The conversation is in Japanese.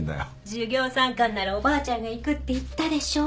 授業参観ならおばあちゃんが行くって言ったでしょう？